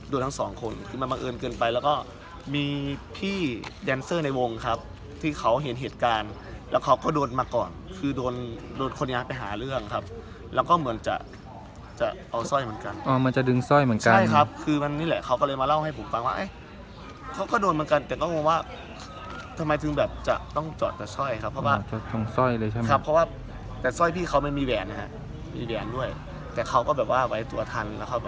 โดนทั้งสองคนคือมันบังเอิญเกินไปแล้วก็มีพี่แดนเซอร์ในวงครับที่เขาเห็นเหตุการณ์แล้วเขาก็โดนมาก่อนคือโดนโดนคนอยากไปหาเรื่องครับแล้วก็เหมือนจะจะเอาสร้อยเหมือนกันอ่อมันจะดึงสร้อยเหมือนกันใช่ครับคือมันนี่แหละเขาก็เลยมาเล่าให้ผมฟังว่าเอ๊ะเขาก็โดนเหมือนกันแต่ก็ว่าทำไมถึงแบบจะต้องจอดแต่สร้อยครั